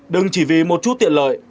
đừng chỉ vì một chút tiện lợi